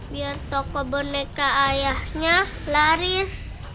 biar tokoh boneka ayahnya laris